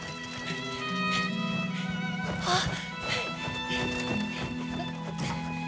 あっ！